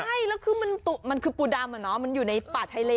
ใช่แล้วคือมันคือปูดำมันอยู่ในป่าชายเล